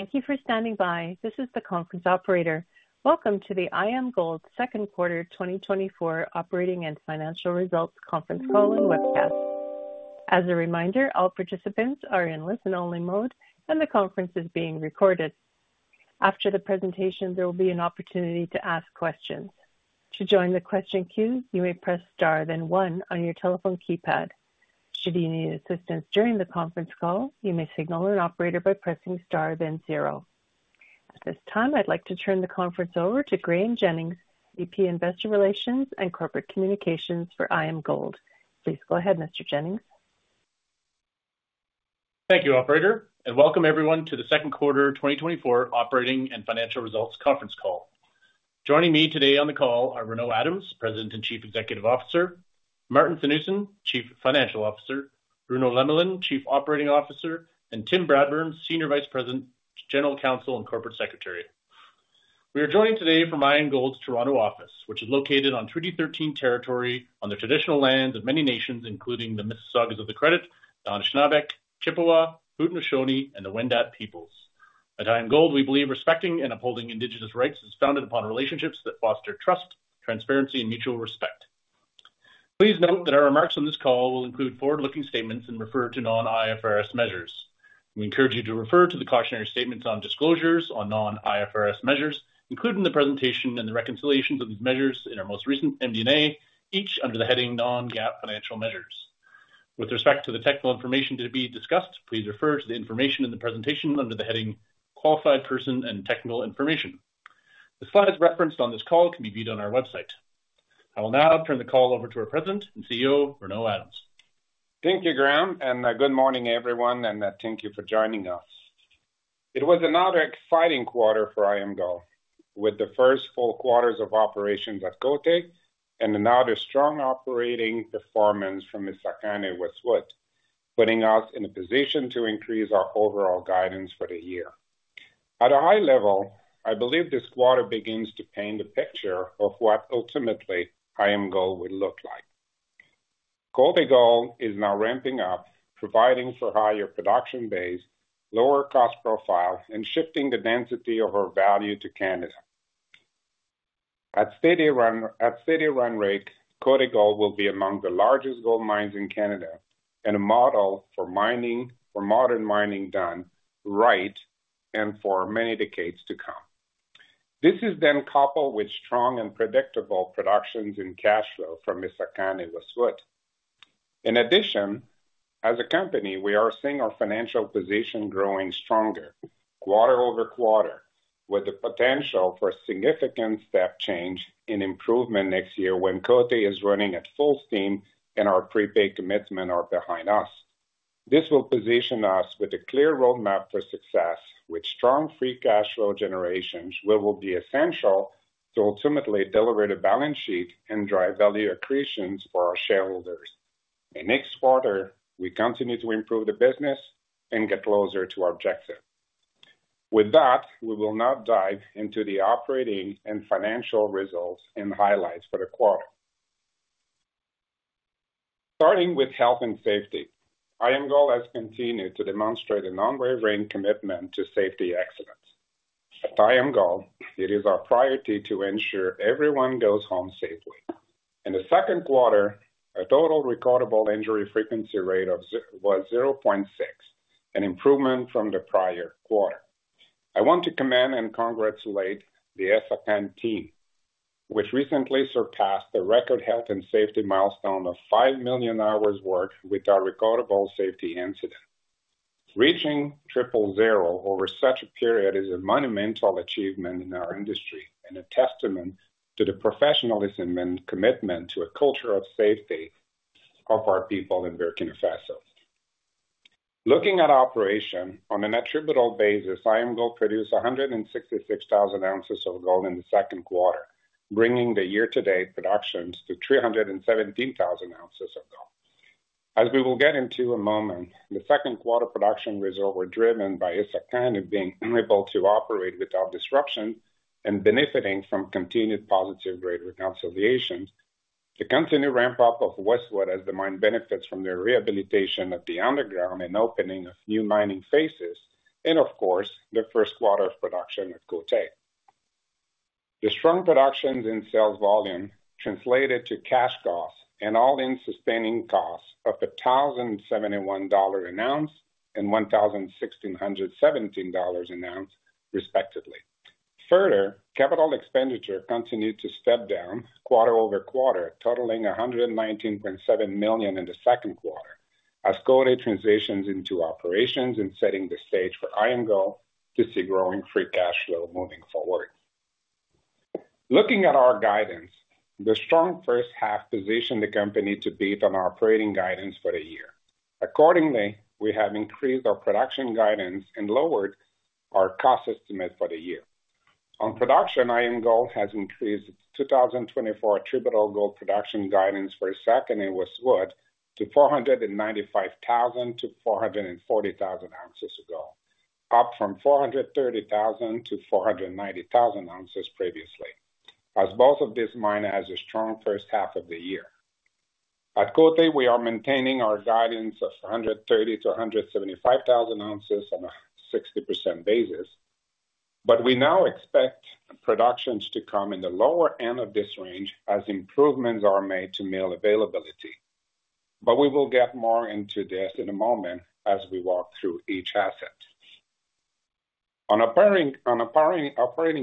Thank you for standing by. This is the conference operator. Welcome to the IAMGOLD Q2 2024 operating and financial results conference call and webcast. As a reminder, all participants are in listen-only mode, and the conference is being recorded. After the presentation, there will be an opportunity to ask questions. To join the question queue, you may press Star, then one on your telephone keypad. Should you need assistance during the conference call, you may signal an operator by pressing Star, then zero. At this time, I'd like to turn the conference over to Graeme Jennings, VP, Investor Relations and Corporate Communications for IAMGOLD. Please go ahead, Mr. Jennings. Thank you, operator, and welcome everyone to the Q2 2024 operating and financial results conference call. Joining me today on the call are Renaud Adams, President and Chief Executive Officer, Maarten Theunissen, Chief Financial Officer, Bruno Lemelin, Chief Operating Officer, and Tim Bradburn, Senior Vice President, General Counsel, and Corporate Secretary. We are joined today from IAMGOLD's Toronto office, which is located on Treaty 13 territory on the traditional lands of many nations, including the Mississaugas of the Credit, Anishinaabe, Chippewa, Haudenosaunee, and the Wendat peoples. At IAMGOLD, we believe respecting and upholding indigenous rights is founded upon relationships that foster trust, transparency, and mutual respect. Please note that our remarks on this call will include forward-looking statements and refer to non-IFRS measures. We encourage you to refer to the cautionary statements on disclosures on Non-IFRS measures, including the presentation and the reconciliations of these measures in our most recent MD&A, each under the heading Non-GAAP Financial Measures. With respect to the technical information to be discussed, please refer to the information in the presentation under the heading Qualified Person and Technical Information. The slides referenced on this call can be viewed on our website. I will now turn the call over to our President and CEO, Renaud Adams. Thank you, Graeme, and good morning, everyone, and thank you for joining us. It was another exciting quarter for IAMGOLD, with the first full quarters of operations at Côté and another strong operating performance from Essakane and Westwood, putting us in a position to increase our overall guidance for the year. At a high level, I believe this quarter begins to paint a picture of what ultimately IAMGOLD would look like. Côté Gold is now ramping up, providing for higher production base, lower cost profile, and shifting the density of our value to Canada. At steady run, at steady run rate, Côté Gold will be among the largest gold mines in Canada and a model for mining, for modern mining done right and for many decades to come. This is then coupled with strong and predictable productions in cash flow from Essakane and Westwood. In addition, as a company, we are seeing our financial position growing stronger quarter over quarter, with the potential for significant step change in improvement next year when Côté is running at full steam and our prepaid commitments are behind us. This will position us with a clear roadmap for success, with strong free cash flow generations, which will be essential to ultimately deliver the balance sheet and drive value accretions for our shareholders. In next quarter, we continue to improve the business and get closer to our objective. With that, we will now dive into the operating and financial results and highlights for the quarter. Starting with health and safety, IAMGOLD has continued to demonstrate an unwavering commitment to safety excellence. At IAMGOLD, it is our priority to ensure everyone goes home safely. In the Q2, our total recordable injury frequency rate of 0.6, an improvement from the prior quarter. I want to commend and congratulate the Essakane team, which recently surpassed the record health and safety milestone of 5 million hours worked without recordable safety incident. Reaching triple zero over such a period is a monumental achievement in our industry and a testament to the professionalism and commitment to a culture of safety of our people in Burkina Faso. Looking at operations, on an attributable basis, IAMGOLD produced 166,000 ounces of gold in the Q2, bringing the year-to-date production to 317,000 ounces of gold. As we will get into in a moment, the Q2 production results were driven by Essakane being able to operate without disruption and benefiting from continued positive grade reconciliations. The continued ramp-up of Westwood as the mine benefits from the rehabilitation of the underground and opening of new mining phases, and of course, the Q1 of production at Côté. The strong productions in sales volume translated to cash costs and all-in sustaining costs of $1,071 an ounce and $1,617 an ounce, respectively. Further, capital expenditure continued to step down quarter-over-quarter, totaling $119.7 million in the Q2, as Côté transitions into operations and setting the stage for IAMGOLD to see growing free cash flow moving forward. Looking at our guidance, the strong first half positioned the company to beat on our operating guidance for the year. Accordingly, we have increased our production guidance and lowered our cost estimate for the year. On production, IAMGOLD has increased its 2024 attributable gold production guidance for Essakane and Westwood to 495,000 ounces to 440,000 ounces of gold, up from 430,000 ounces to 490,000 ounces previously, as both of these mines has a strong first half of the year. At Côté, we are maintaining our guidance of 130,000 ounces to 175,000 ounces on a 60% basis, but we now expect productions to come in the lower end of this range as improvements are made to mill availability. We will get more into this in a moment as we walk through each asset. On operating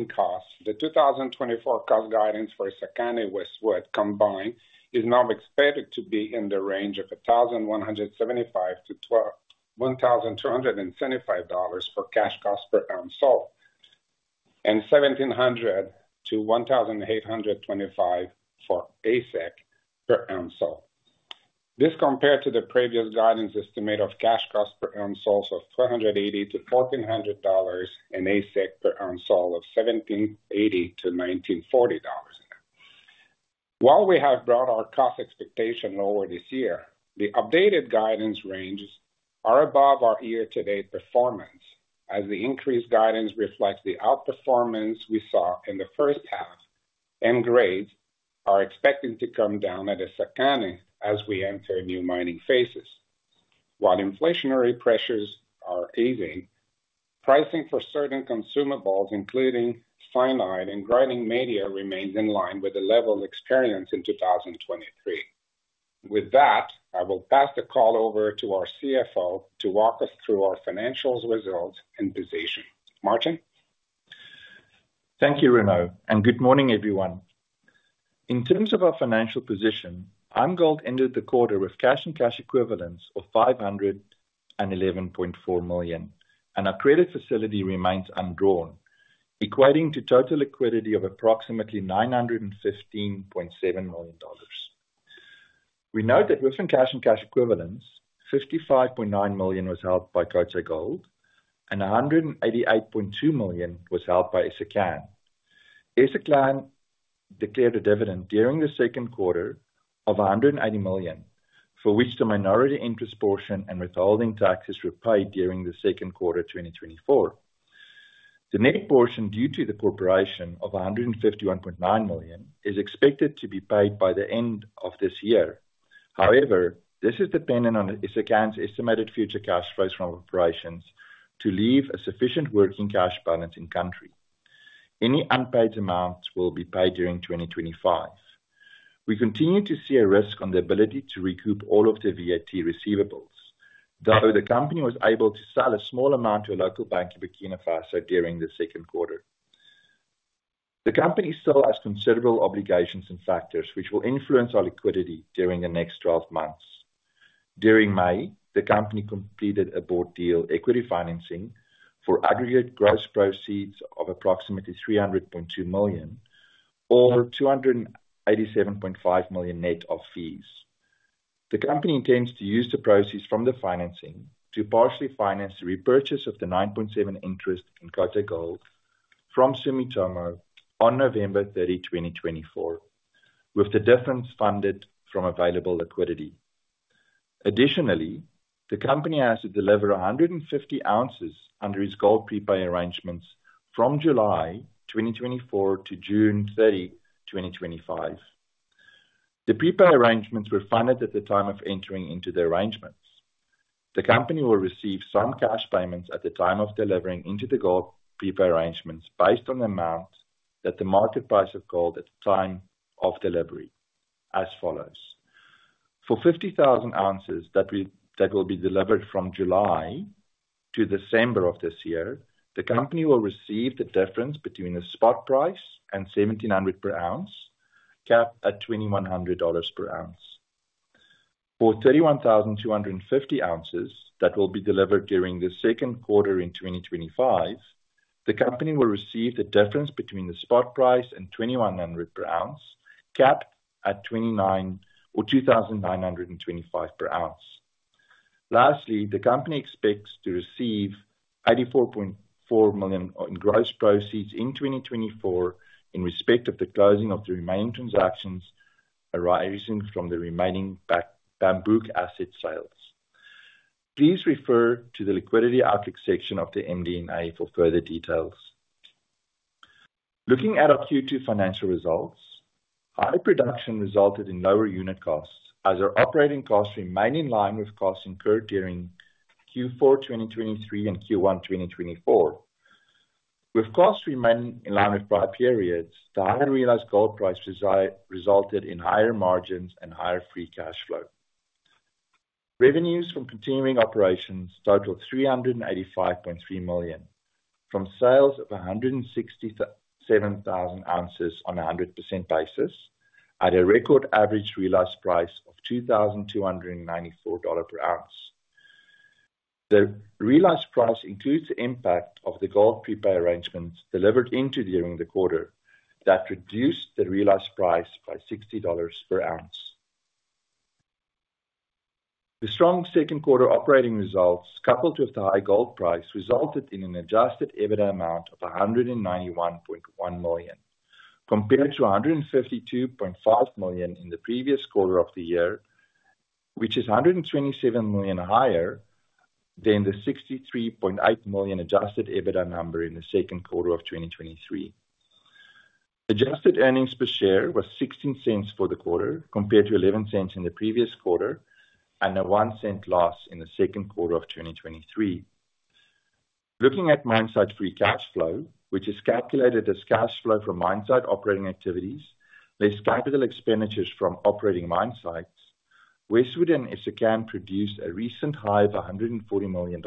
costs, the 2024 cost guidance for Essakane with Westwood combined, is now expected to be in the range of $1,175 to 1,275 cash cost per ounce sold, and $1,700 to 1,825 AISC per ounce sold. This, compared to the previous guidance estimate of cash cost per ounce sold of $280 to 1,400 and AISC per ounce sold of $1,780 to 1,940. While we have brought our cost expectation lower this year, the updated guidance ranges are above our year-to-date performance, as the increased guidance reflects the outperformance we saw in the first half, and grades are expected to come down at Essakane as we enter new mining phases. While inflationary pressures are easing, pricing for certain consumables, including cyanide and grinding media, remains in line with the level experienced in 2023. With that, I will pass the call over to our CFO to walk us through our financials, results, and position. Maarten? Thank you, Renaud, and good morning, everyone. In terms of our financial position, IAMGOLD ended the quarter with cash and cash equivalents of $511.4 million, and our credit facility remains undrawn, equating to total liquidity of approximately $915.7 million. We note that within cash and cash equivalents, $55.9 million was held by Côté Gold and $188.2 million was held by Essakane. Essakane declared a dividend during the Q2 of $180 million, for which the minority interest portion and withholding taxes were paid during the Q2, 2024. The net portion, due to the corporation of $151.9 million, is expected to be paid by the end of this year. However, this is dependent on Essakane's estimated future cash flows from operations to leave a sufficient working cash balance in country. Any unpaid amounts will be paid during 2025. We continue to see a risk on the ability to recoup all of the VAT receivables, though the company was able to sell a small amount to a local bank in Burkina Faso during the Q2. The company still has considerable obligations and factors which will influence our liquidity during the next twelve months. During May, the company completed a bought deal equity financing for aggregate gross proceeds of approximately $300.2 million, or $287.5 million net of fees. The company intends to use the proceeds from the financing to partially finance the repurchase of the 9.7 interest in Côté Gold from Sumitomo on November 30, 2024, with the difference funded from available liquidity. Additionally, the company has to deliver 150 ounces under its gold prepay arrangements from July 2024 to June 30, 2025. The prepay arrangements were funded at the time of entering into the arrangements. The company will receive some cash payments at the time of delivering into the gold prepay arrangements, based on the amount that the market price of gold at the time of delivery, as follows: For 50,000 ounces that will be delivered from July to December of this year, the company will receive the difference between the spot price and $1,700 per ounce, capped at $2,100 per ounce. For 31,250 ounces that will be delivered during the Q2 in 2025, the company will receive the difference between the spot price and $2,100 per ounce, capped at $2,900 or $2,925 per ounce. Lastly, the company expects to receive $84.4 million in gross proceeds in 2024, in respect of the closing of the remaining transactions arising from the remaining Bambouk asset sales. Please refer to the liquidity outlook section of the MD&A for further details. Looking at our Q2 financial results, higher production resulted in lower unit costs, as our operating costs remained in line with costs incurred during Q4 2023 and Q1 2024. With costs remaining in line with prior periods, the higher realized gold price resulted in higher margins and higher free cash flow. Revenues from continuing operations totaled $385.3 million, from sales of 167,000 ounces on a 100% basis, at a record average realized price of $2,294 per ounce. The realized price includes the impact of the gold prepay arrangements delivered into during the quarter that reduced the realized price by $60 per ounce. The strong Q2 operating results, coupled with the high gold price, resulted in an adjusted EBITDA amount of $191.1 million, compared to $152.5 million in the previous quarter of the year, which is $127 million higher than the $63.8 million adjusted EBITDA number in the Q2 of 2023. Adjusted earnings per share was $0.16 for the quarter, compared to $0.11 in the previous quarter, and a $0.01 loss in the Q2 of 2023. Looking at mine site free cash flow, which is calculated as cash flow from mine site operating activities, less capital expenditures from operating mine sites, Westwood and Essakane produced a recent high of $140 million,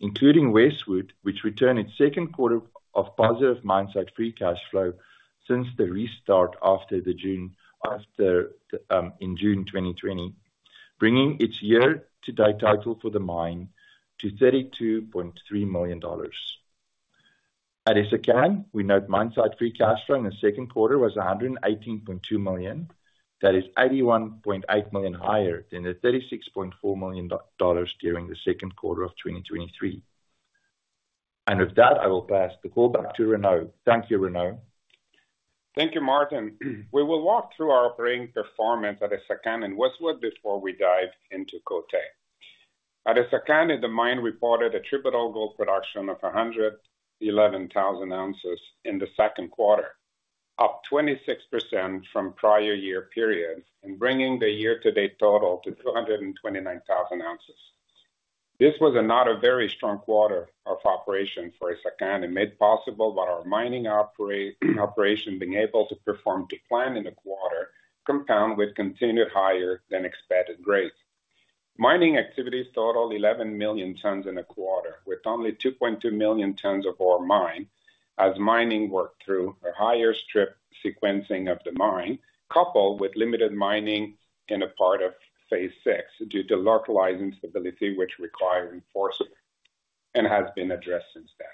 including Westwood, which returned its Q2 of positive mine site free cash flow since the restart after the June after in June 2020, bringing its year-to-date total for the mine to $32.3 million. At Essakane, we note mine site free cash flow in the Q2 was $118.2 million. That is $81.8 million higher than the $36.4 million dollars during the Q2 of 2023. And with that, I will pass the call back to Renaud. Thank you, Renaud. Thank you, Maarten. We will walk through our operating performance at Essakane and Westwood before we dive into Côté. At Essakane, the mine reported attributable gold production of 111,000 ounces in the Q2, up 26% from prior year periods, and bringing the year-to-date total to 229,000 ounces. This was another very strong quarter of operation for Essakane and made possible by our mining operation being able to perform to plan in the quarter, compound with continued higher than expected grades. Mining activities total 11 million tons in a quarter, with only 2.2 million tons of ore mined, as mining worked through a higher strip sequencing of the mine, coupled with limited mining in a part of phase VI, due to localizing stability, which required reinforcement and has been addressed since then.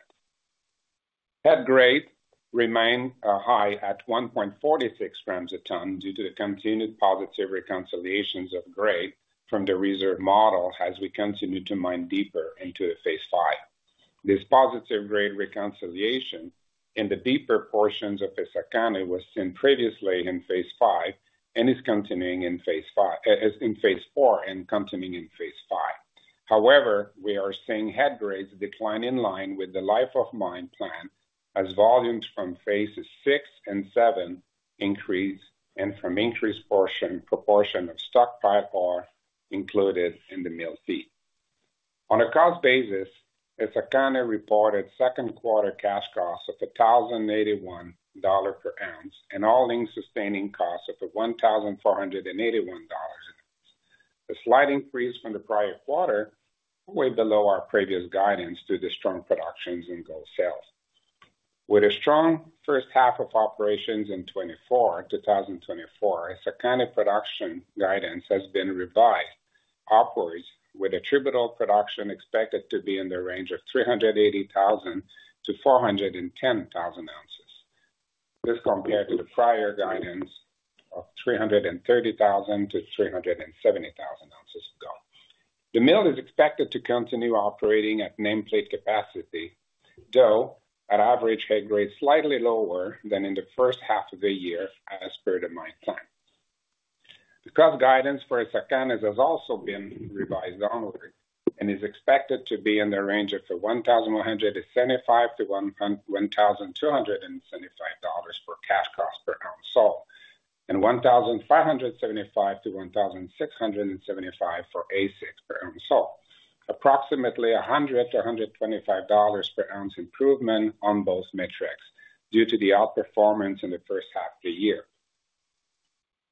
That grade remained high at 1.46 grams a ton due to the continued positive reconciliations of grade from the reserve model as we continue to mine deeper into phase V. This positive grade reconciliation in the deeper portions of Essakane was seen previously in phase V and is continuing in phase V, as in phase IV and continuing in phase V. However, we are seeing head grades decline in line with the life of mine plan, as volumes from phases VI and VII increase and from increased proportion of stock pile ore included in the mill feed. On a cost basis, Essakane reported Q2 cash costs of $1,081 per ounce and all-in sustaining costs of $1,481 per ounce. A slight increase from the prior quarter, way below our previous guidance due to strong productions in gold sales. With a strong first half of operations in 2024, Essakane production guidance has been revised upwards, with attributable production expected to be in the range of 380,000 ounces to 410,000 ounces. This compared to the prior guidance of 330,000 ounces to 370,000 ounces of gold. The mill is expected to continue operating at nameplate capacity, though at average, head grade slightly lower than in the first half of the year as per the mine plan. The cost guidance for Essakane has also been revised onward and is expected to be in the range of $1,175 to 1,275 cash cost per ounce sold, and $1,575 to 1,675 for AISC per ounce sold. Approximately $100 to 125 per ounce improvement on both metrics due to the outperformance in the first half of the year.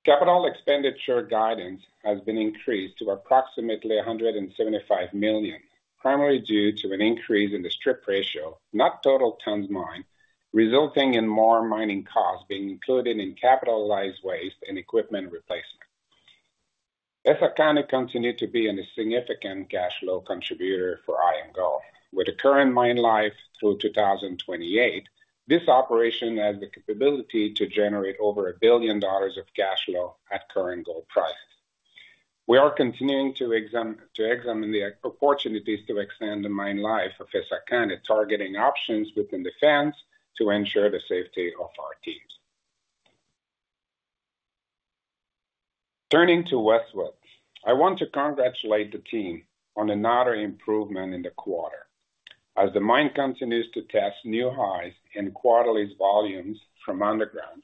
Capital expenditure guidance has been increased to approximately $175 million, primarily due to an increase in the strip ratio, not total tons mined, resulting in more mining costs being included in capitalized waste and equipment replacement. Essakane continued to be a significant cash flow contributor for IAMGOLD. With the current mine life through 2028, this operation has the capability to generate over $1 billion of cash flow at current gold prices. We are continuing to examine the opportunities to extend the mine life of Essakane, targeting options within the fence to ensure the safety of our teams. Turning to Westwood. I want to congratulate the team on another improvement in the quarter, as the mine continues to test new highs in quarterly volumes from underground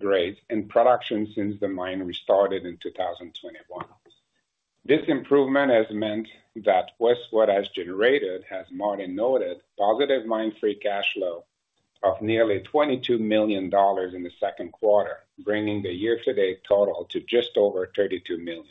grades and production since the mine restarted in 2021. This improvement has meant that Westwood has generated, as Maarten noted, positive mine free cash flow of nearly $22 million in the Q2, bringing the year-to-date total to just over $32 million.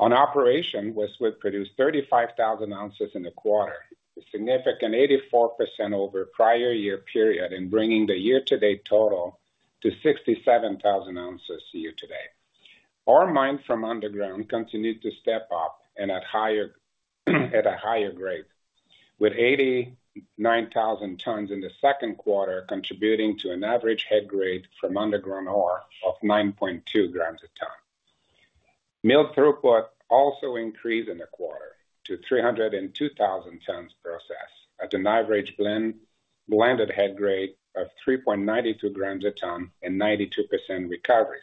On operation, Westwood produced 35,000 ounces in the quarter, a significant 84% over prior year period, and bringing the year-to-date total to 67,000 ounces year to date. Our mine from underground continued to step up and at higher, at a higher grade, with 89,000 tons in the Q2, contributing to an average head grade from underground ore of 9.2 grams/ton. Mill throughput also increased in the quarter to 302,000 tons processed, at an average blended head grade of 3.92 grams/ton and 92% recovery.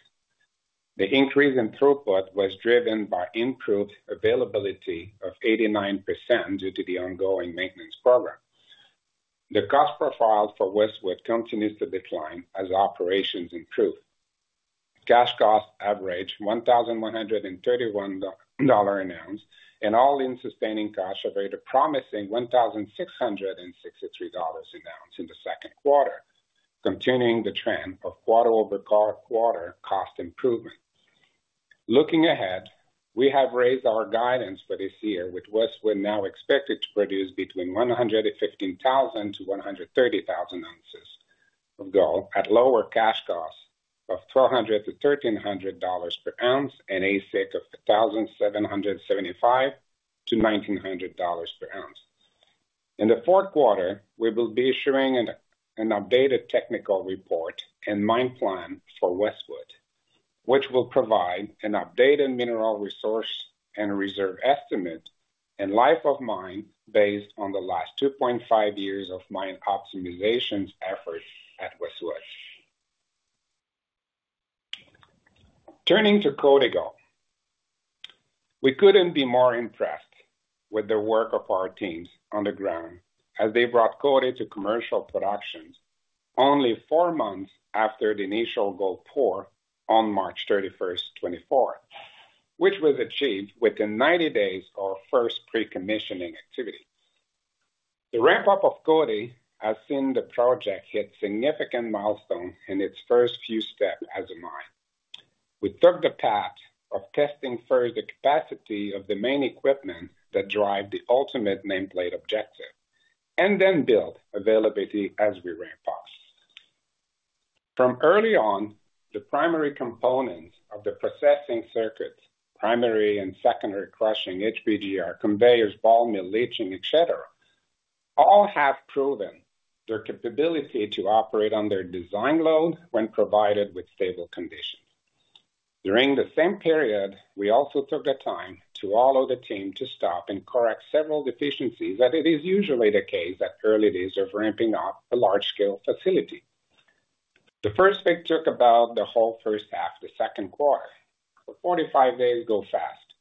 The increase in throughput was driven by improved availability of 89% due to the ongoing maintenance program. The cost profile for Westwood continues to decline as operations improve. Cash costs averaged $1,131 an ounce, and all-in sustaining costs averaged a promising $1,663 an ounce in the Q2, continuing the trend of quarter-over-quarter cost improvements. Looking ahead, we have raised our guidance for this year, with Westwood now expected to produce between 115,000 ounces to 130,000 ounces of gold at lower cash costs of $1,200 to 1,300 per ounce and AISC of $1,775 to 1,900 per ounce. In the Q4, we will be issuing an updated technical report and mine plan for Westwood, which will provide an updated mineral resource and reserve estimate and life of mine, based on the last 2.5 years of mine optimization efforts at Westwood. Turning to Côté Gold. We couldn't be more impressed with the work of our teams on the ground as they brought Côté Gold to commercial production only 4 months after the initial gold pour on March 31, 2024, which was achieved within 90 days of first pre-commissioning activity. The ramp-up of Côté Gold has seen the project hit significant milestones in its first few steps as a mine. We took the path of testing first the capacity of the main equipment that drive the ultimate nameplate objective, and then build availability as we ramp up. From early on, the primary components of the processing circuits, primary and secondary crushing, HPGR, conveyors, ball mill, leaching, etc., all have proven their capability to operate on their design load when provided with stable conditions. During the same period, we also took the time to allow the team to stop and correct several deficiencies, that it is usually the case at early days of ramping up a large-scale facility. The first pick took about the whole first half, the Q2, but 45 days go fast.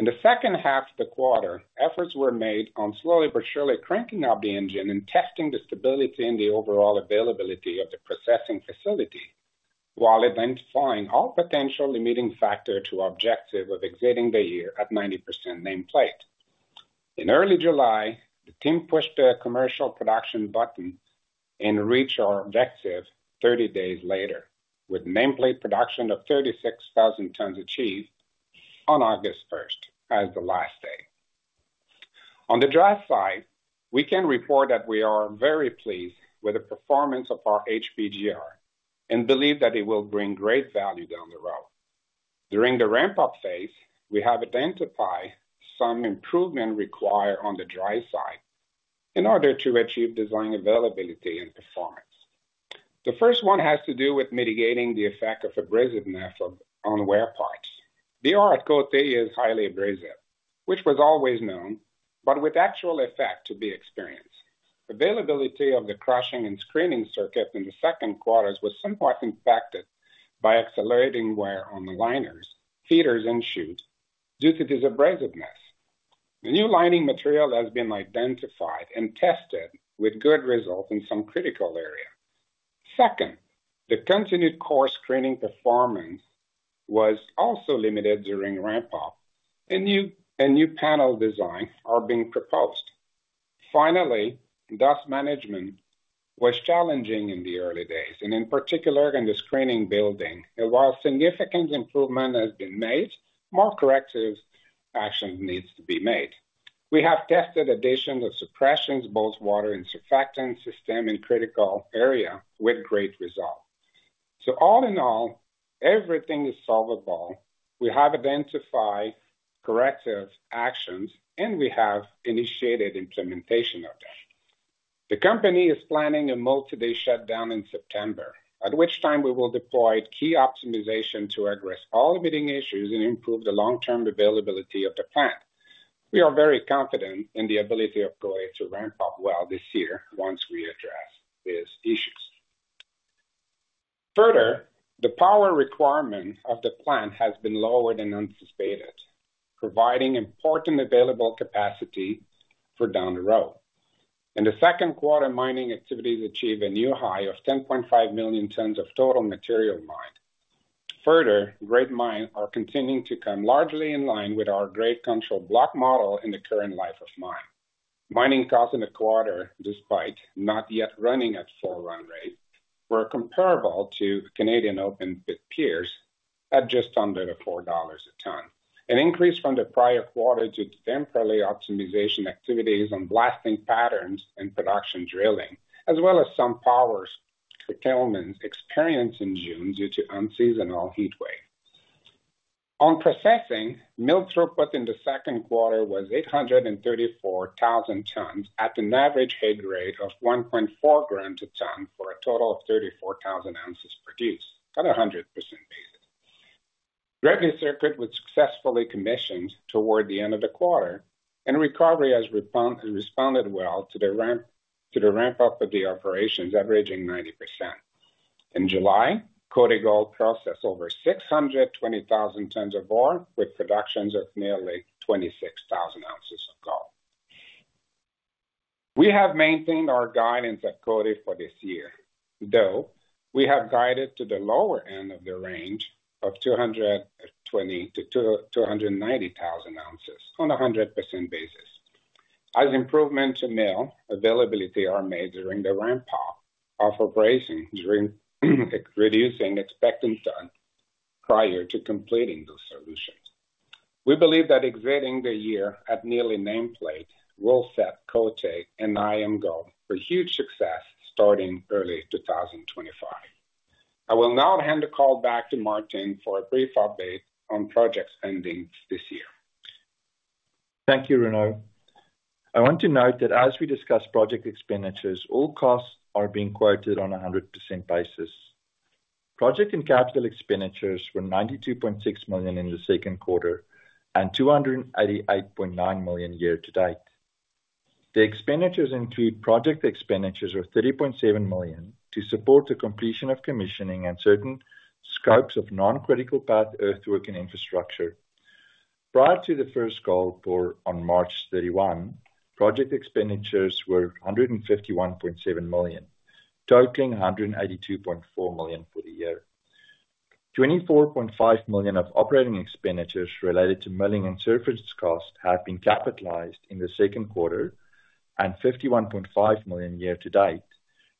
In the second half of the quarter, efforts were made on slowly but surely cranking up the engine and testing the stability and the overall availability of the processing facility, while identifying all potential limiting factor to objective of exiting the year at 90% nameplate. In early July, the team pushed the commercial production button and reached our objective 30 days later, with nameplate production of 36,000 tons achieved on August 1st, as the last day. On the dry side, we can report that we are very pleased with the performance of our HPGR and believe that it will bring great value down the road. During the ramp-up phase, we have identified some improvement required on the dry side in order to achieve design availability and performance. The first one has to do with mitigating the effect of abrasiveness on wear parts. The ore at Côté is highly abrasive, which was always known, but with actual effect to be experienced. Availability of the crushing and screening circuits in the Q2 was somewhat impacted by accelerating wear on the liners, feeders, and chutes due to this abrasiveness. The new lining material has been identified and tested with good results in some critical areas. Second, the continued coarse screening performance was also limited during ramp-up, and new panel designs are being proposed. Finally, dust management was challenging in the early days, and in particular in the screening building. While significant improvement has been made, more corrective action needs to be made. We have tested additions of suppression, both water and surfactant system in critical area with great results. So all in all, everything is solvable. We have identified corrective actions and we have initiated implementation of them. The company is planning a multi-day shutdown in September, at which time we will deploy key optimization to address all the bidding issues and improve the long-term availability of the plant. We are very confident in the ability of Côté to ramp up well this year once we address these issues. Further, the power requirement of the plant has been lower than anticipated, providing important available capacity for down the road. In the Q2, mining activities achieved a new high of 10.5 million tons of total material mined. Further, grades mined are continuing to come largely in line with our grade control block model in the current life of mine. Mining costs in the quarter, despite not yet running at full run rate, were comparable to Canadian open pit peers at just under $4/ton. An increase from the prior quarter due to temporary optimization activities on blasting patterns and production drilling, as well as some power settlements experienced in June due to unseasonal heat wave. On processing, mill throughput in the Q2 was 834,000 tons at an average head grade of 1.4 grams/ton, for a total of 34,000 ounces produced on a 100% basis. gravity circuit was successfully commissioned toward the end of the quarter, and recovery has responded well to the ramp up of the operations, averaging 90%. In July, Côté Gold processed over 620,000 tons of ore, with production of nearly 26,000 ounces of gold. We have maintained our guidance at Côté for this year, though we have guided to the lower end of the range of 220,000 ounces to 290,000 ounces on a 100% basis. As improvements in mill availability are made during the ramp up of operations, reducing expected downtime prior to completing those solutions. We believe that exiting the year at nearly nameplate will set Côté and IAMGOLD for huge success starting early 2025. I will now hand the call back to Maarten for a brief update on project spending this year. Thank you, Renaud. I want to note that as we discuss project expenditures, all costs are being quoted on a 100% basis. Project and capital expenditures were $92.6 million in the Q2 and $288.9 million year to date. The expenditures include project expenditures of $30.7 million to support the completion of commissioning and certain scopes of non-critical path earthwork and infrastructure. Prior to the first gold pour on March 31, project expenditures were 151.7 million, totaling $182.4 million for the year. $24.5 million of operating expenditures related to milling and surface costs have been capitalized in the Q2, and $51.5 million year to date,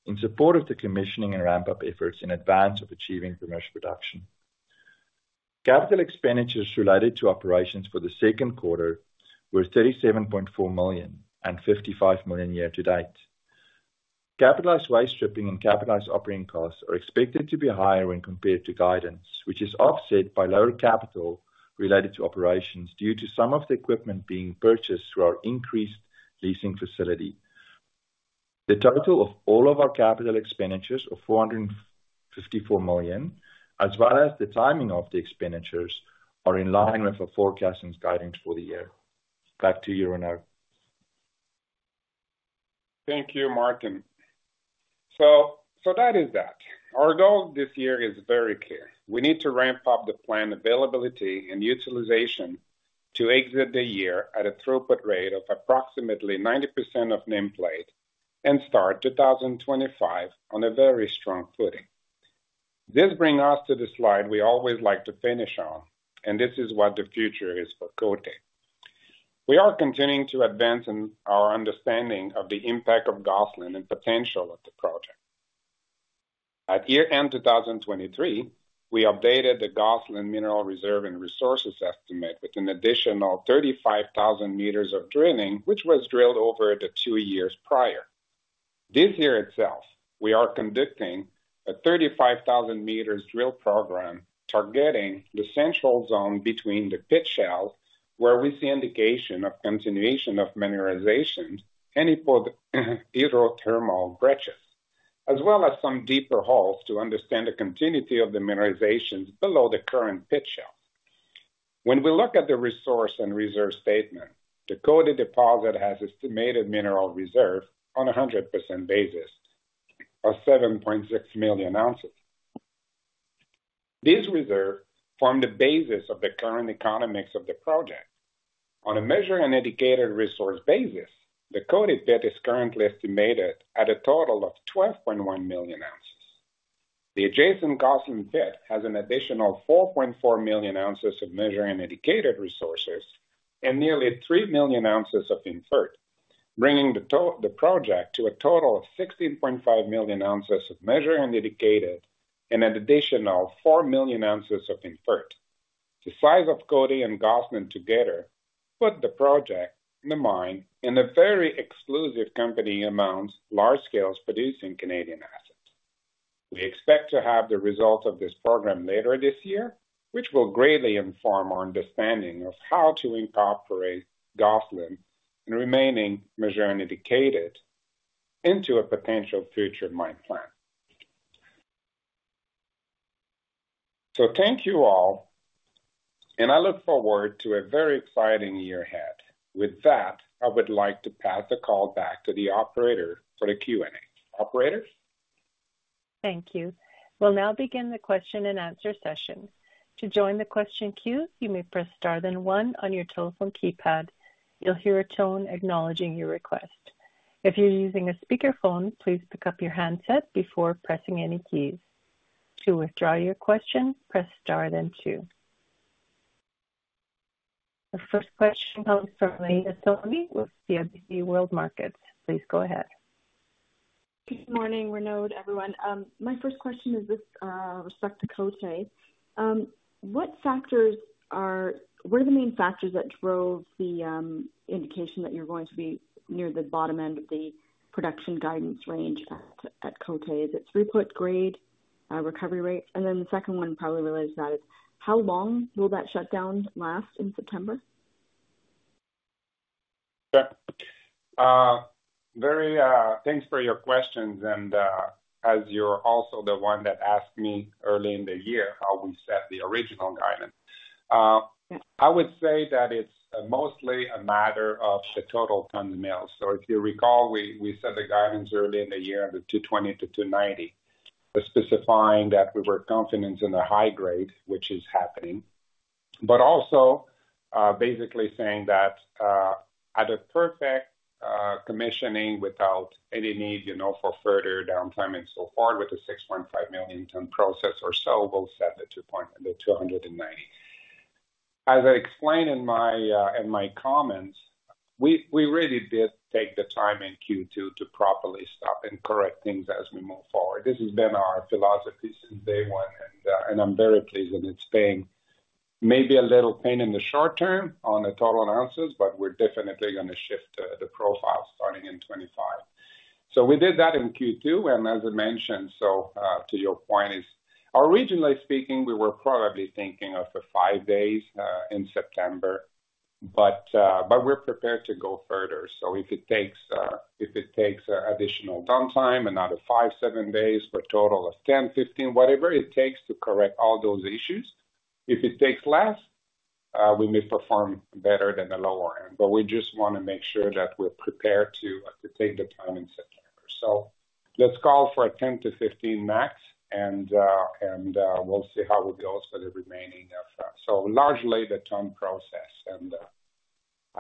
in support of the commissioning and ramp-up efforts in advance of achieving commercial production. Capital expenditures related to operations for the Q2 were $37.4 million and $55 million year to date. Capitalized waste stripping and capitalized operating costs are expected to be higher when compared to guidance, which is offset by lower capital related to operations, due to some of the equipment being purchased through our increased leasing facility. The total of all of our capital expenditures of $454 million, as well as the timing of the expenditures, are in line with the forecast and guidance for the year. Back to you, Renaud. Thank you, Martin. So, so that is that. Our goal this year is very clear. We need to ramp up the plant availability and utilization to exit the year at a throughput rate of approximately 90% of nameplate and start 2025 on a very strong footing. This brings us to the slide we always like to finish on, and this is what the future is for Côté. We are continuing to advance in our understanding of the impact of Gossan and potential of the project. At year end 2023, we updated the Gossan mineral reserve and resources estimate with an additional 35,000 meters of drilling, which was drilled over the two years prior. This year itself, we are conducting a 35,000 meters drill program, targeting the central zone between the pit shell, where we see indication of continuation of mineralization and for the hydrothermal breccias, as well as some deeper holes to understand the continuity of the mineralizations below the current pit shell. When we look at the resource and reserve statement, the Côté deposit has estimated mineral reserve on a 100% basis of 7.6 million ounces. This reserve form the basis of the current economics of the project. On a measured and indicated resource basis, the Côté pit is currently estimated at a total of 12.1 million ounces. The adjacent Gossan pit has an additional 4.4 million ounces of measured and indicated resources, and nearly 3 million ounces of inferred, bringing the project to a total of 16.5 million ounces of measured and indicated, and an additional 4 million ounces of inferred. The size of Côté and Gossan together put the project, the mine, in a very exclusive company among large-scale producing Canadian assets. We expect to have the results of this program later this year, which will greatly inform our understanding of how to incorporate Gossan and remaining measured and indicated into a potential future mine plan. So thank you all, and I look forward to a very exciting year ahead. With that, I would like to pass the call back to the operator for the Q&A. Operator? Thank you. We'll now begin the Q&A session. To join the question queue, you may press star, then 1 on your telephone keypad. You'll hear a tone acknowledging your request. If you're using a speakerphone, please pick up your handset before pressing any keys. To withdraw your question, press star, then 2. The first question comes from Anita Soni with CIBC World Markets. Please go ahead. Good morning, Renaud, everyone. My first question is with respect to Côté. What are the main factors that drove the indication that you're going to be near the bottom end of the production guidance range at Côté? Is it throughput grade, recovery rate? And then the second one probably relates to that is: How long will that shutdown last in September? Yeah. Very thanks for your questions, and, as you're also the one that asked me early in the year how we set the original guidance. I would say that it's mostly a matter of the total tons of mills. So if you recall, we set the guidance early in the year under 220 to 290, but specifying that we were confident in the high grade, which is happening. But also, basically saying that at a perfect commissioning without any need, you know, for further downtime and so far, with the 6.5 million ton process or so, we'll set the 290. As I explained in my comments, we really did take the time in Q2 to properly stop and correct things as we move forward. This has been our philosophy since day one, and, and I'm very pleased that it's paying maybe a little pain in the short term on the total ounces, but we're definitely going to shift, the profile starting in 25. So we did that in Q2, and as I mentioned, so, to your point is, originally speaking, we were probably thinking of the 5 days, in September, but, but we're prepared to go further. So if it takes, if it takes additional downtime, another 5, 7 days for a total of 10, 15, whatever it takes to correct all those issues. If it takes less, we may perform better than the lower end, but we just want to make sure that we're prepared to, to take the time in September. So let's call for a 10 to 15 max, and, and, we'll see how it goes for the remaining of. So largely the term process, and,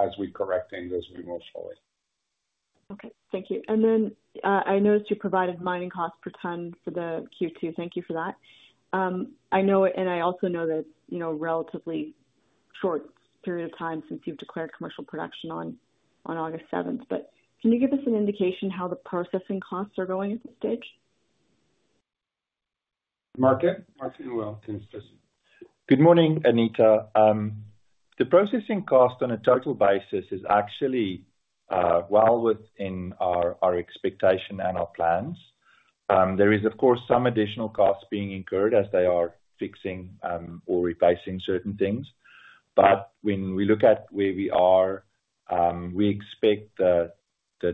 as we correct things, as we move forward. Okay, thank you. Then, I noticed you provided mining cost per ton for the Q2. Thank you for that. I know, and I also know that, you know, relatively short period of time since you've declared commercial production on August seventh. But can you give us an indication how the processing costs are going at this stage? Martin? Maarten, well, good morning, Anita. The processing cost on a total basis is actually well within our, our expectation and our plans. There is, of course, some additional costs being incurred as they are fixing or replacing certain things. But when we look at where we are, we expect the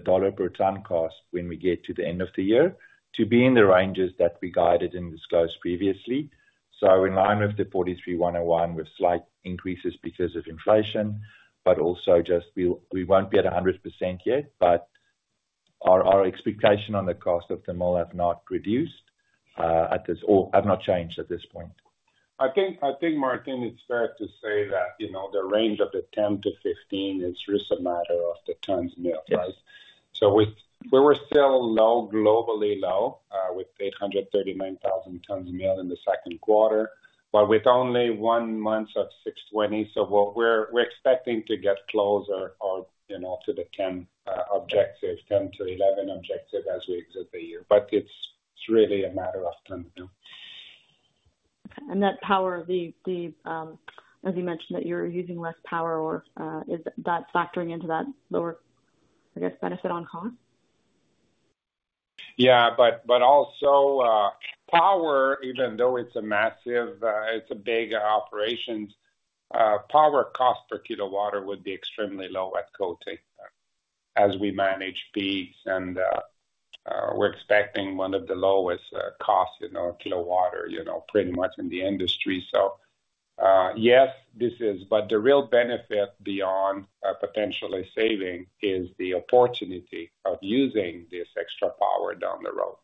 dollar per ton cost when we get to the end of the year to be in the ranges that we guided and disclosed previously. So in line with the 43-101, with slight increases because of inflation, but also just we, we won't be at 100% yet, but our, our expectation on the cost of the mill have not reduced at this or have not changed at this point. I think, Maarten, it's fair to say that, you know, the range of the 10 to 15, it's just a matter of the tons mill, right? Yes. So we were still low, globally low, with 839,000 tons of mill in the Q2, but with only one month of 620. So what we're expecting to get closer or, you know, to the 10 to 11 objective as we exit the year. But it's really a matter of time now. Okay. And that power, as you mentioned, that you're using less power or, is that factoring into that lower, I guess, benefit on cost? Yeah, but, but also, power, even though it's a massive, it's a big operations, power cost per kilo water would be extremely low at in Côté, as we manage peaks and, we're expecting one of the lowest, costs, you know, kilo water, you know, pretty much in the industry. So, yes, this is but the real benefit beyond, potentially saving is the opportunity of using this extra power down the road.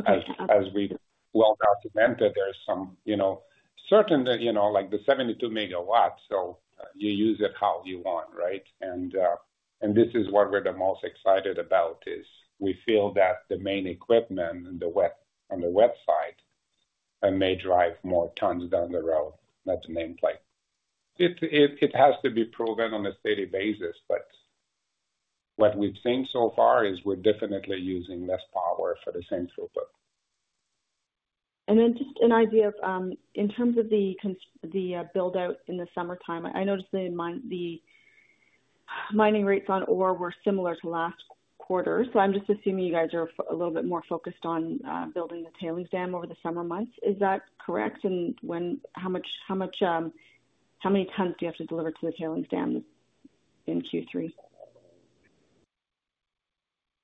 Okay. As we well documented, there's some, you know, certain, you know, like the 72 MW, so you use it how you want, right? And, and this is what we're the most excited about, is we feel that the main equipment on the wet, on the wet side, may drive more tons down the road. That's the main play. It has to be proven on a steady basis, but what we've seen so far is we're definitely using less power for the same throughput. And then just an idea of, in terms of the build-out in the summertime, I noticed the mining rates on ore were similar to last quarter. So I'm just assuming you guys are a little bit more focused on, building the tailing dam over the summer months. Is that correct? And how much, how much, how many tons do you have to deliver to the tailing dam in Q3?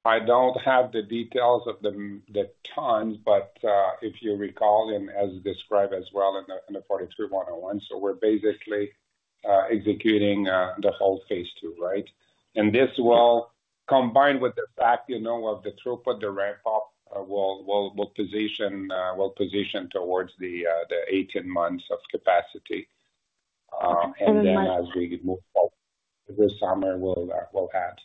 I don't have the details of the tons, but if you recall, and as described as well in the 43-101, so we're basically executing the whole phase II, right? And this will, combined with the fact, you know, of the throughput, the ramp-up, will position towards the 18 months of capacity. And then my- And then as we move forward, this summer will add.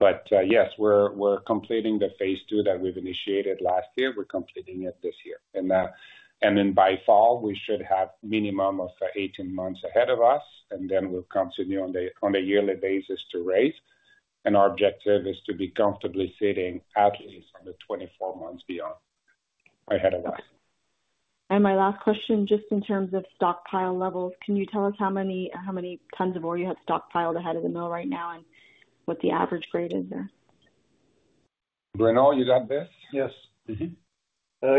But yes, we're completing the phase II that we've initiated last year. We're completing it this year. And then by fall, we should have minimum of 18 months ahead of us, and then we'll continue on a yearly basis to raise. And our objective is to be comfortably sitting at least on the 24 months beyond, ahead of us. My last question, just in terms of stockpile levels, can you tell us how many, how many tons of ore you have stockpiled ahead of the mill right now and what the average grade is there? Bruno, you got this? Yes. Mm-hmm.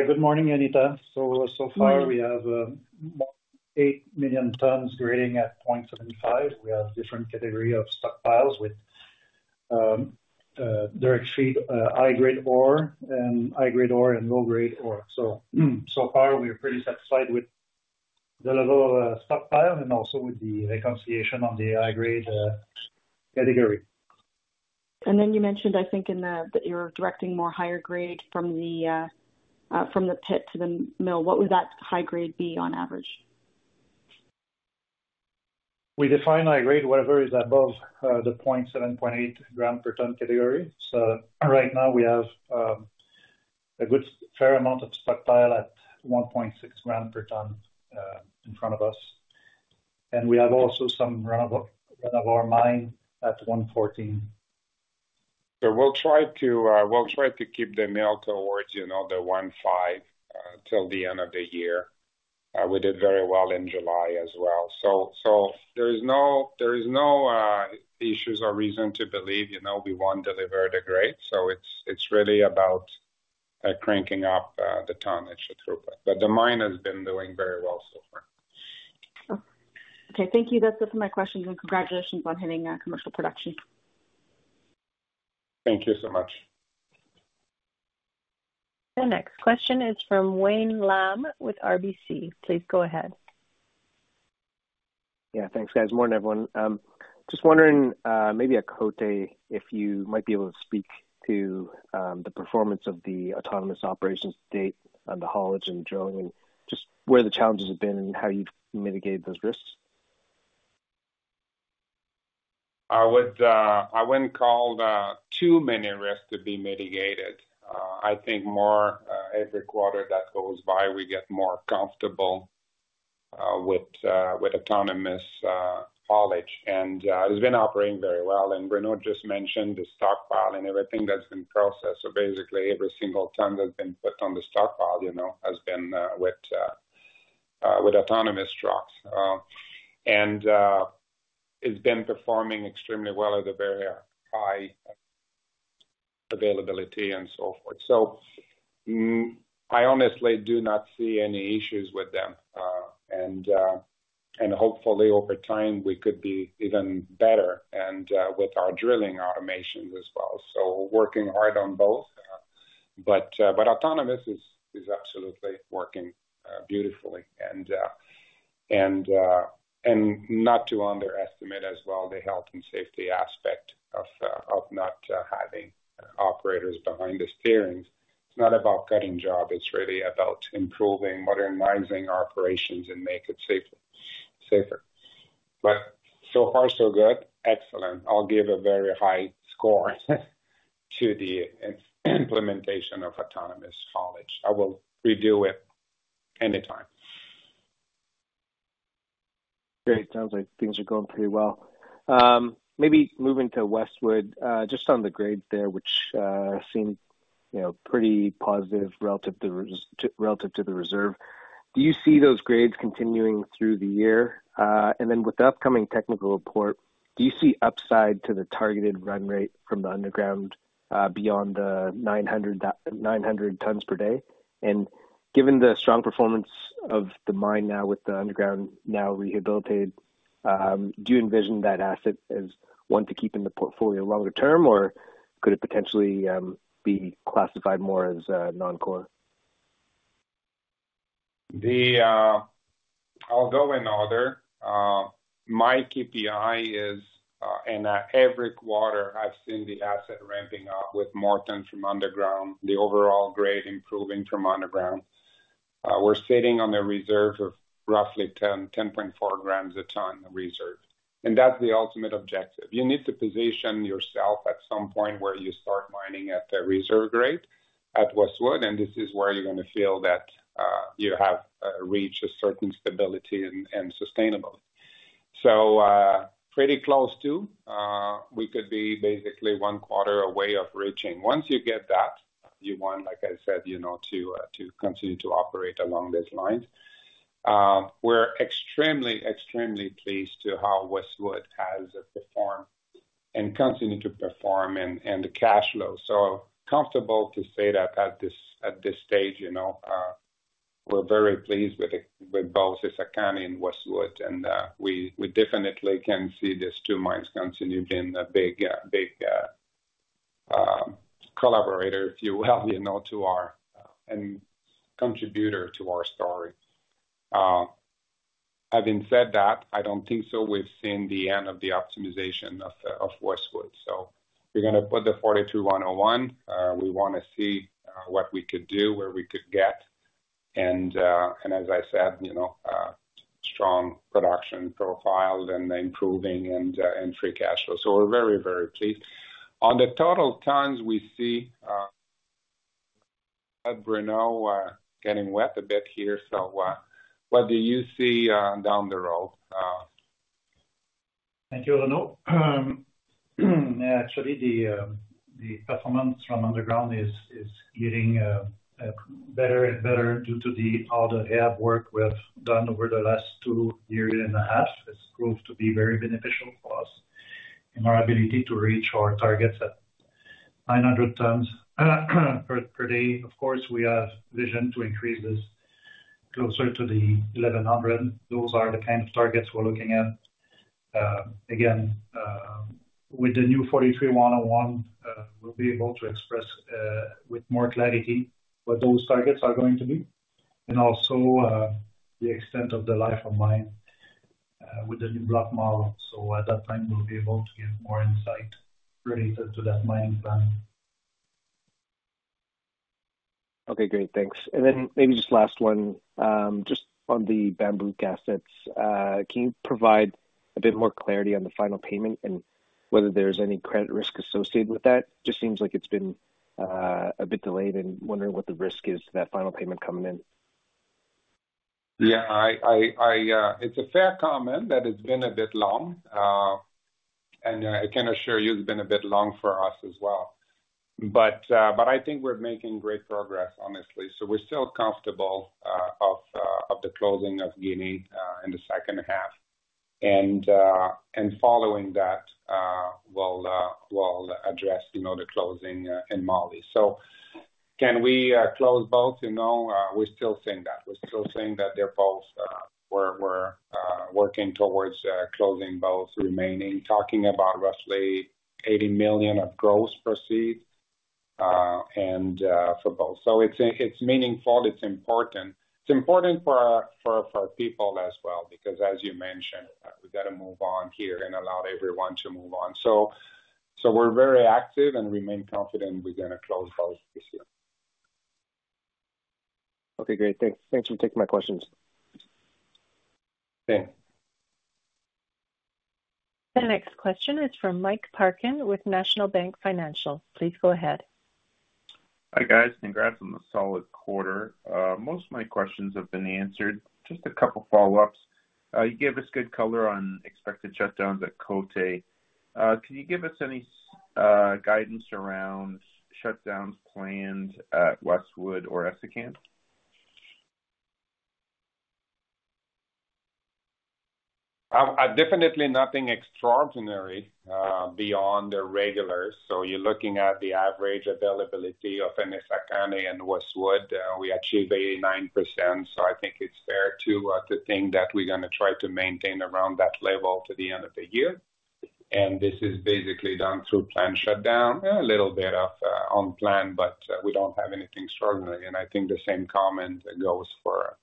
Good morning, Anita. So, so far we have 8 million tons grading at 0.75. We have different category of stockpiles with-direct feed, high grade ore and high grade ore and low grade ore. So, so far we are pretty satisfied with the level of stockpile and also with the reconciliation on the high grade category. And then you mentioned, I think, in the, that you're directing more higher grade from the pit to the mill. What would that high grade be on average? We define high grade, whatever is above the 0.7, 0.8 gram per ton category. So right now we have a good fair amount of stockpile at 1.6 gram per ton in front of us, and we have also some run-of-mine at 1.14. So we'll try to, we'll try to keep the mill towards, you know, the 15, till the end of the year. We did very well in July as well. So, so there is no, there is no, issues or reason to believe, you know, we won't deliver the grade. So it's, it's really about, cranking up, the tonnage through. But the mine has been doing very well so far. Okay, thank you. That's it for my questions, and congratulations on hitting commercial production. Thank you so much. The next question is from Wayne Lam with RBC. Please go ahead. Yeah, thanks, guys. Morning, everyone. Just wondering, maybe at Côté, if you might be able to speak to the performance of the autonomous operations to date on the haulage and drilling, just where the challenges have been and how you've mitigated those risks? I wouldn't call too many risks to be mitigated. I think more every quarter that goes by, we get more comfortable with autonomous haulage. And it's been operating very well, and Bruno just mentioned the stockpile and everything that's been processed. So basically, every single ton that's been put on the stockpile, you know, has been with autonomous trucks. And it's been performing extremely well at a very high availability and so forth. So I honestly do not see any issues with them. And hopefully, over time, we could be even better and with our drilling automations as well. So working hard on both. But autonomous is absolutely working beautifully. Not to underestimate as well the health and safety aspect of not having operators behind the steering wheels. It's not about cutting job; it's really about improving, modernizing our operations and make it safer, safer. So far, so good. Excellent. I'll give a very high score to the implementation of autonomous haulage. I will redo it anytime. Great. Sounds like things are going pretty well. Maybe moving to Westwood, just on the grades there, which seem, you know, pretty positive relative to res, to, relative to the reserve. Do you see those grades continuing through the year? And then with the upcoming technical report, do you see upside to the targeted run rate from the underground, beyond the 900 tons per day? And given the strong performance of the mine now, with the underground now rehabilitated, do you envision that asset as one to keep in the portfolio longer term, or could it potentially be classified more as non-core? Although in order, my KPI is in every quarter, I've seen the asset ramping up with more tons from underground, the overall grade improving from underground. We're sitting on a reserve of roughly 10.4 grams a ton reserve, and that's the ultimate objective. You need to position yourself at some point where you start mining at the reserve grade at Westwood, and this is where you're going to feel that you have reached a certain stability and sustainably. So, pretty close to, we could be basically one quarter away of reaching. Once you get that, you want, like I said, you know, to to continue to operate along those lines. We're extremely, extremely pleased to how Westwood has performed and continue to perform and the cash flow. So comfortable to say that at this, at this stage, you know, we're very pleased with it, with both Essakane and Westwood, and, we definitely can see these two mines continue being a big, big, collaborator, if you will, you know, to our, and contributor to our story. Having said that, I don't think we've seen the end of the optimization of Westwood. So we're gonna put the 42-101. We want to see what we could do, where we could get, and as I said, you know, strong production profile and improving and free cash flow. So we're very, very pleased. On the total tons we see, Bruno, getting ahead a bit here, so, what do you see down the road? Thank you, Renaud. Actually, the performance from underground is getting better and better due to all the hard work we have done over the last 2.5 years. It's proved to be very beneficial for us and our ability to reach our targets at 900 tons per day. Of course, we have vision to increase this closer to the 1,100. Those are the kind of targets we're looking at. Again, with the new 43-101, we'll be able to express with more clarity what those targets are going to be, and also, the extent of the life of mine, with the new block model. So at that time, we'll be able to give more insight related to that mine plan. Okay, great. Thanks. And then maybe just last one, just on the Bambouk assets, can you provide a bit more clarity on the final payment and whether there's any credit risk associated with that? Just seems like it's been a bit delayed and wondering what the risk is to that final payment coming in. Yeah, it's a fair comment that it's been a bit long, and I can assure you it's been a bit long for us as well. But I think we're making great progress, honestly. So we're still comfortable of the closing of Guinea in the second half. And following that, we'll address, you know, the closing in Mali. So can we close both? You know, we're still saying that. We're still saying that we're working towards closing both, remaining talking about roughly $80 million of gross proceeds for both. So it's meaningful, it's important. It's important for our people as well, because as you mentioned, we got to move on here and allow everyone to move on. So, we're very active and remain confident we're going to close both this year. Okay, great. Thanks. Thanks for taking my questions. Okay. The next question is from Mike Parkin with National Bank Financial. Please go ahead. Hi, guys. Congrats on the solid quarter. Most of my questions have been answered. Just a couple follow-ups. You gave us good color on expected shutdowns at Côté. Can you give us any guidance around shutdowns planned at Westwood or Essakane? Definitely nothing extraordinary beyond the regular. So you're looking at the average availability of Essakane and Westwood, we achieve 89%, so I think it's fair to think that we're going to try to maintain around that level to the end of the year. And this is basically done through planned shutdown, a little bit of on plan, but we don't have anything extraordinary. And I think the same comment goes for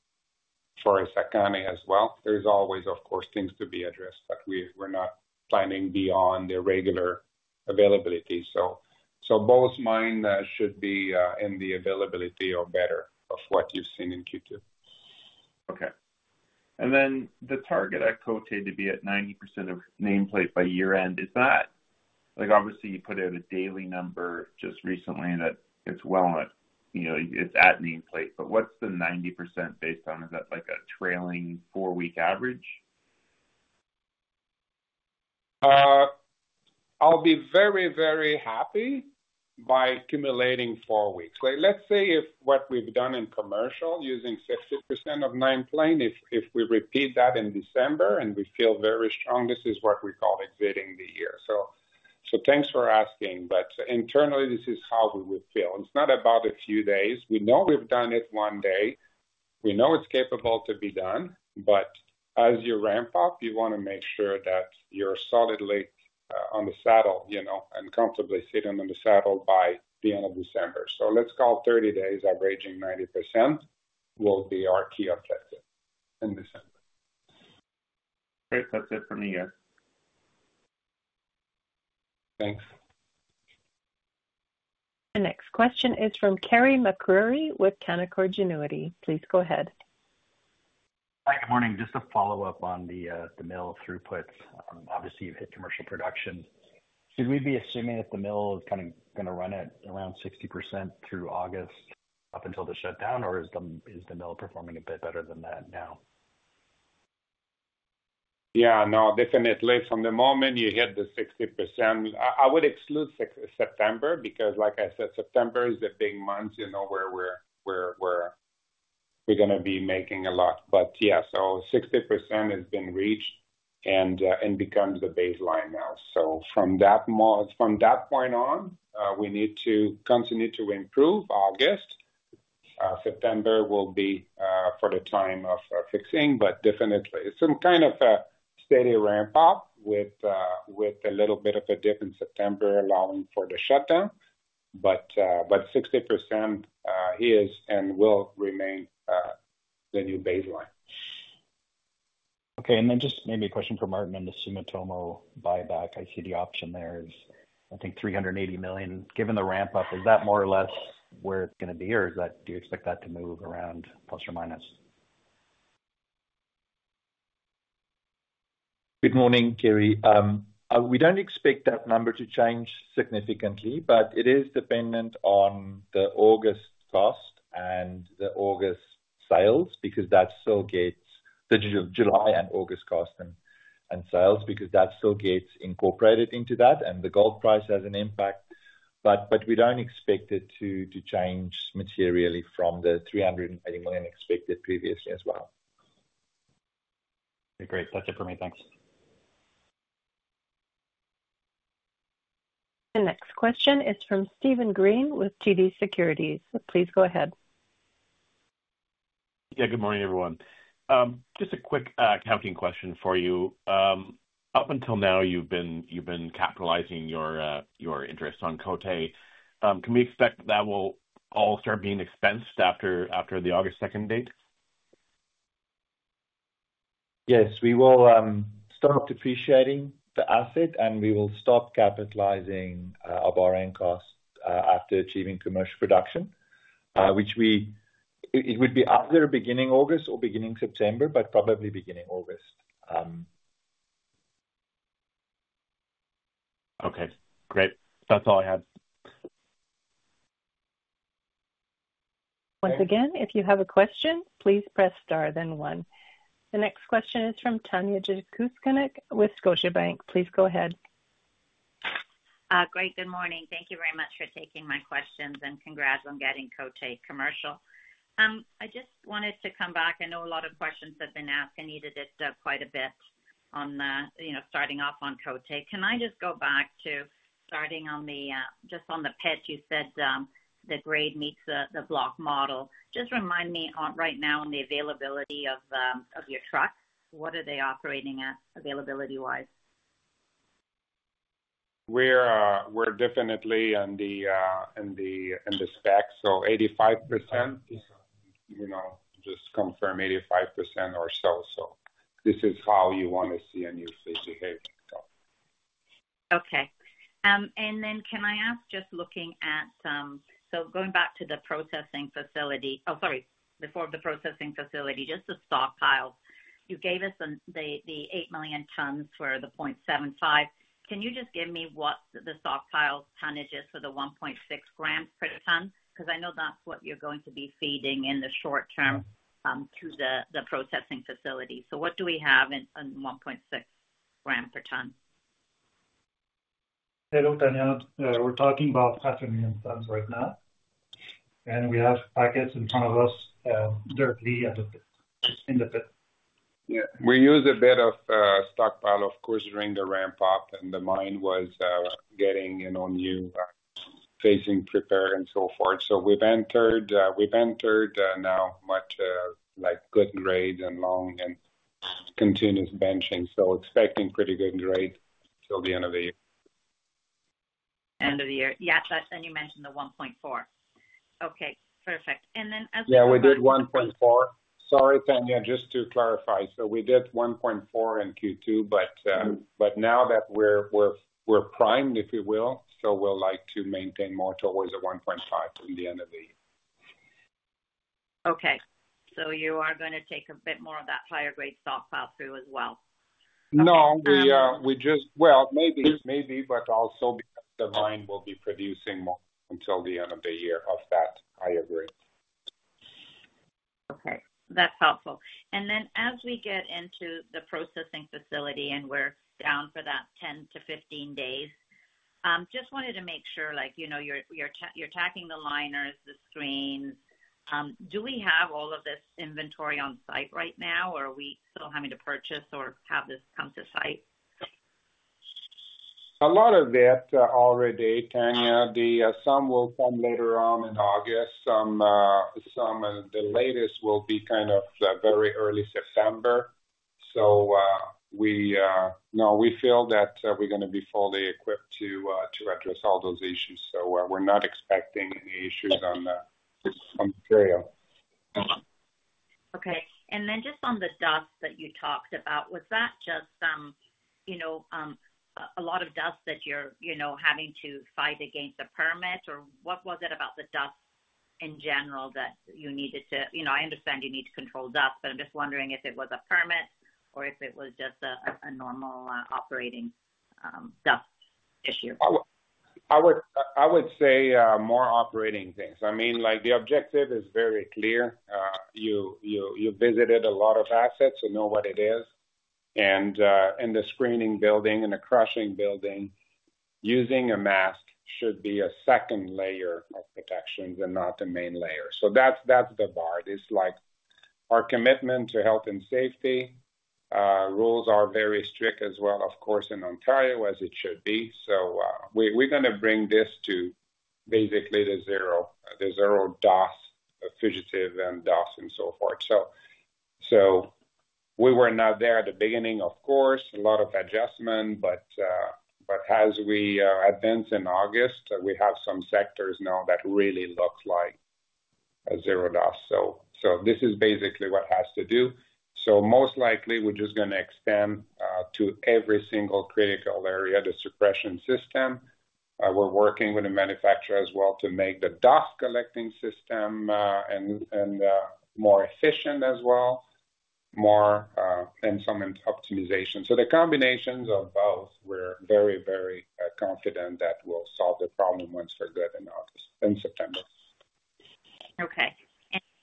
Essakane as well. There's always, of course, things to be addressed, but we're not planning beyond the regular availability. So both mines should be in the availability or better of what you've seen in Q2. Okay. And then the target at Côté to be at 90% of nameplate by year-end, is that like, obviously, you put out a daily number just recently, that it's well at, you know, it's at nameplate, but what's the 90% based on? Is that like a trailing four-week average? I'll be very, very happy by accumulating 4 weeks. Let's say if what we've done in commercial, using 60% of nameplate, if we repeat that in December and we feel very strong, this is what we call exiting the year. So thanks for asking, but internally, this is how we would feel. It's not about a few days. We know we've done it one day. We know it's capable to be done, but as you ramp up, you want to make sure that you're solidly on the saddle, you know, and comfortably sitting on the saddle by the end of December. So let's call 30 days, averaging 90% will be our key objective in December. Great. That's it for me, guys. Thanks. The next question is from Carey MacRury with Canaccord Genuity. Please go ahead. Hi, good morning. Just a follow-up on the mill throughput. Obviously, you've hit commercial production. Should we be assuming that the mill is kind of going to run at around 60% through August, up until the shutdown, or is the mill performing a bit better than that now? Yeah, no, definitely. From the moment you hit the 60%, I would exclude September, because like I said, September is a big month, you know, where we're going to be making a lot. But yeah, so 60% has been reached and becomes the baseline now. So from that point on, we need to continue to improve August. September will be for the time of fixing, but definitely some kind of a steady ramp up with a little bit of a dip in September, allowing for the shutdown. But 60% is and will remain the new baseline. Okay, and then just maybe a question for Maarten on the Sumitomo buyback. I see the option there is, I think, $380 million. Given the ramp up, is that more or less where it's going to be, or is that, do you expect that to move around plus or minus? Good morning, Carey. We don't expect that number to change significantly, but it is dependent on the August cost and the August sales, because that still gets the July and August cost and sales, because that still gets incorporated into that, and the gold price has an impact. But we don't expect it to change materially from the $380 million expected previously as well. Great. That's it for me. Thanks. The next question is from Steven Green with TD Securities. Please go ahead. Yeah, good morning, everyone. Just a quick accounting question for you. Up until now, you've been capitalizing your interest on Côté. Can we expect that will all start being expensed after the August second date? Yes, we will start depreciating the asset, and we will stop capitalizing our borrowing costs after achieving commercial production, which would be either beginning August or beginning September, but probably beginning August. Okay, great. That's all I had. Once again, if you have a question, please press Star, then one. The next question is from Tanya Jakusconek with Scotiabank. Please go ahead. Great, good morning. Thank you very much for taking my questions, and congrats on getting Côté commercial. I just wanted to come back. I know a lot of questions have been asked, and you did it quite a bit on, you know, starting off on Côté. Can I just go back to starting on the just on the pit, you said the grade meets the block model. Just remind me on, right now on the availability of your trucks, what are they operating at, availability-wise? We're definitely on the, in the stack, so 85%, you know, just confirm 85% or so, so this is how you want to see a usage behave, so. Okay, and then can I ask, just looking at, so going back to the processing facility, oh, sorry, before the processing facility, just the stockpile. You gave us the 8 million tons for the 0.75. Can you just give me what the stockpile tonnage is for the 1.6 grams per ton? Because I know that's what you're going to be feeding in the short term to the processing facility. So what do we have in 1.6 grams per ton? Hello, Tanya. We're talking about 7 million tons right now, and we have packets in front of us, directly at the, in the pit. Yeah, we use a bit of stockpile, of course, during the ramp-up, and the mine was getting in on new facing, prepare, and so forth. So we've entered, we've entered now much like good grade and long and continuous benching, so expecting pretty good grade till the end of the year. End of the year. Yeah, plus, then you mentioned the $1.4. Okay, perfect. And then as- Yeah, we did 1.4. Sorry, Tanya, just to clarify, so we did 1.4 in Q2, but now that we're primed, if you will, so we'll like to maintain more towards the 1.5 till the end of the year. Okay, so you are gonna take a bit more of that higher grade stockpile through as well? No. Well, maybe, maybe, but also because the mine will be producing more until the end of the year. Of that, I agree. Okay, that's helpful. And then as we get into the processing facility and we're down for that 10 to 15 days, just wanted to make sure, like, you know, you're tackling the liners, the screens. Do we have all of this inventory on site right now, or are we still having to purchase or have this come to site? A lot of that already, Tanya. Some will come later on in August. Some, the latest will be kind of very early September. So, we feel that we're gonna be fully equipped to address all those issues. So, we're not expecting any issues on the trail. Okay. And then just on the dust that you talked about, was that just, you know, a lot of dust that you're, you know, having to fight against the permit? Or what was it about the dust in general that you needed to? You know, I understand you need to control dust, but I'm just wondering if it was a permit or if it was just a normal operating dust issue. I would say more operating things. I mean, like, the objective is very clear. You visited a lot of assets, so you know what it is. And the screening building and the crushing building, using a mask should be a second layer of protection and not the main layer. So that's the bar. It's like our commitment to health and safety. Rules are very strict as well, of course, in Ontario, as it should be. So we're gonna bring this to basically the zero dust, fugitive and dust and so forth. So we were not there at the beginning, of course, a lot of adjustment, but as we advance in August, we have some sectors now that really looks like a zero dust. So this is basically what has to do. So most likely, we're just gonna extend to every single critical area, the suppression system. We're working with a manufacturer as well to make the dust collecting system more efficient as well, and some optimization. So the combinations of both, we're very, very confident that will solve the problem once for good in August, in September. Okay.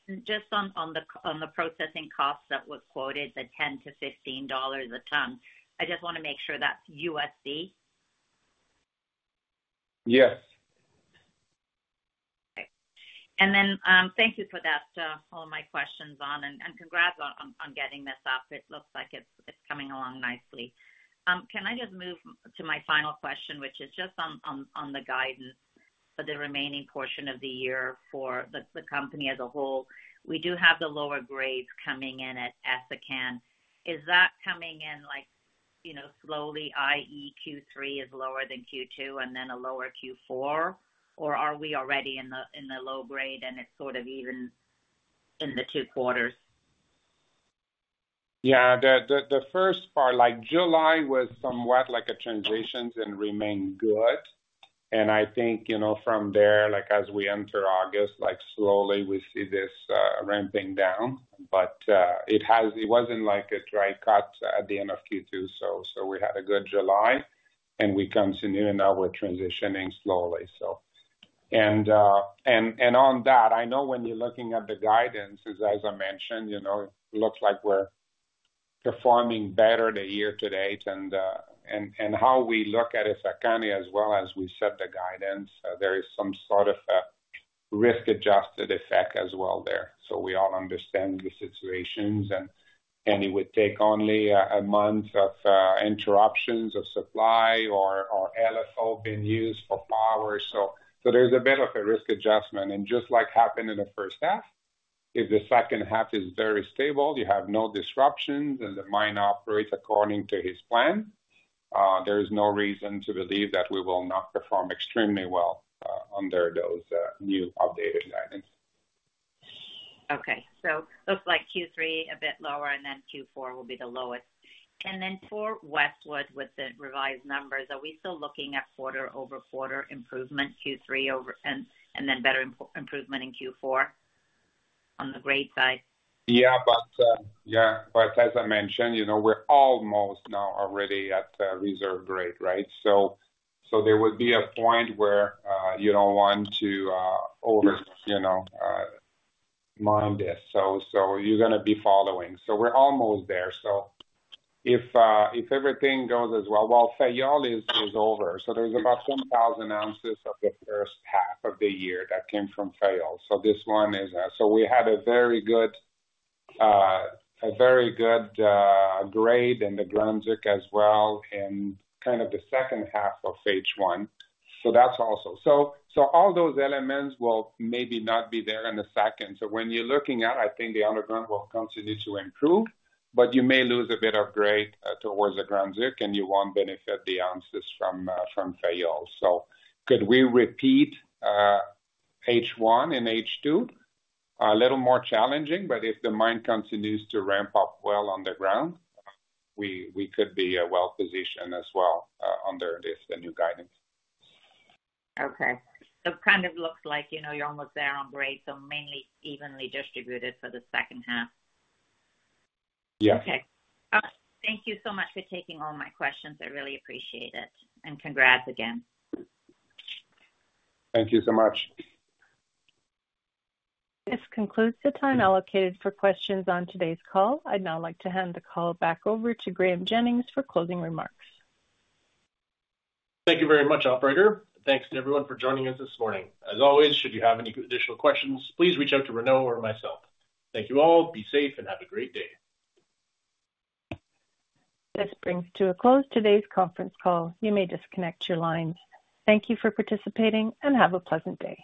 And just on the processing cost that was quoted, the $10 to 15 a ton, I just want to make sure that's USD? Yes. And then, thank you for that, all of my questions on, and congrats on getting this up. It looks like it's coming along nicely. Can I just move to my final question, which is just on the guidance for the remaining portion of the year for the company as a whole? We do have the lower grades coming in at Essakane. Is that coming in like, you know, slowly, i.e., Q3 is lower than Q2 and then a lower Q4? Or are we already in the low grade, and it's sort of even in the two quarters? Yeah, the first part, like July, was somewhat like a transition and remained good. And I think, you know, from there, like as we enter August, like slowly we see this ramping down. But it wasn't like a dry cut at the end of Q2, so we had a good July, and we continue, and now we're transitioning slowly, so. And on that, I know when you're looking at the guidance, as I mentioned, you know, it looks like we're performing better the year to date. And how we look at Essakane, as well as we set the guidance, there is some sort of a risk-adjusted effect as well there. So we all understand the situations, and it would take only a month of interruptions of supply or LFO being used for power. So there's a bit of a risk adjustment. And just like happened in the first half, if the second half is very stable, you have no disruptions, and the mine operates according to his plan, there is no reason to believe that we will not perform extremely well under those new updated guidance. Okay, so looks like Q3 a bit lower, and then Q4 will be the lowest. And then for Westwood, with the revised numbers, are we still looking at quarter-over-quarter improvement, Q3 over, and, and then better improvement in Q4 on the grade side? Yeah, but, yeah, but as I mentioned, you know, we're almost now already at reserve grade, right? So, so there would be a point where you don't want to over, you know, mine this. So, so you're gonna be following. So we're almost there. So if everything goes as well, well, Fayolle is over, so there's about 10,000 ounces of the first half of the year that came from Fayolle. So this one is... So we had a very good, a very good, grade in the Grand Duc as well in kind of the second half of H1. So that's also. So, so all those elements will maybe not be there in the second. So when you're looking at, I think the underground will continue to improve, but you may lose a bit of grade towards the Grand Duc, and you won't benefit the ounces from Fayolle. So could we repeat H1 in H2? A little more challenging, but if the mine continues to ramp up well on the ground, we could be well positioned as well under this, the new guidance. Okay. So it kind of looks like, you know, you're almost there on grade, so mainly evenly distributed for the second half. Yeah. Okay. Thank you so much for taking all my questions. I really appreciate it, and congrats again. Thank you so much. This concludes the time allocated for questions on today's call. I'd now like to hand the call back over to Graham Jennings for closing remarks. Thank you very much, operator. Thanks to everyone for joining us this morning. As always, should you have any additional questions, please reach out to Renaud or myself. Thank you all. Be safe and have a great day. This brings to a close today's conference call. You may disconnect your lines. Thank you for participating and have a pleasant day.